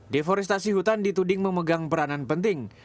deforestasi hutan di tuding memegang peranan penting